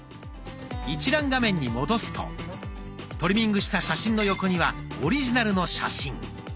一覧画面に戻すとトリミングした写真の横にはオリジナルの写真。